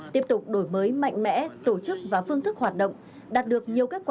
tiếp tục đổi mới mạnh mẽ tổ chức và phương thức hoạt động đạt được nhiều kết quả